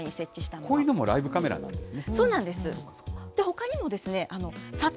こういうのもライブカメラなんですね。